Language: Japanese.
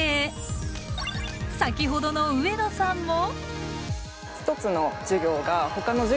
先ほどの上野さんも。